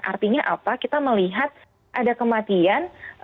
artinya apa kita melihat ada kematian